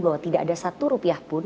bahwa tidak ada satu rupiah pun